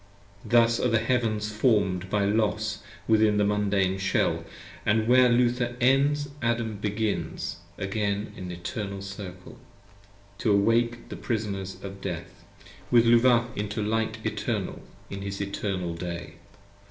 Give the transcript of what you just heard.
Thus are the Heavens form'd by Los within the Mundane Shell: And where Luther ends Adam begins again in Eternal Circle, 25 To awake the Prisoners of Death: to bring Albion again With Luvah into light eternal, in his eternal day.